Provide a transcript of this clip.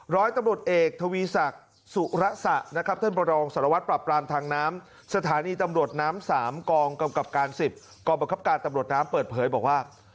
ร้อยตำรวจเอกทวีศักดิ์สุระสะนะครับท่านบรองสารวัตรปรับปรามทางน้ำสถานีตำรวจน้ำ๓กองกำกับการ๑๐กองบังคับการตำรวจน้ำเปิดเผยบอกว่า